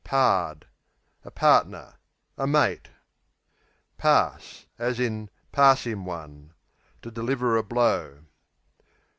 Pard A partner; a mate. Pass (pass 'im one) To deliver a blow.